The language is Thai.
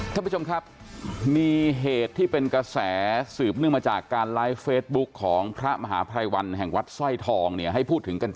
ท่านผู้ชมครับมีเหตุที่เป็นกระแสสืบเนื่องมาจากการไลฟ์เฟซบุ๊คของพระมหาภัยวันแห่งวัดสร้อยทองเนี่ยให้พูดถึงกัน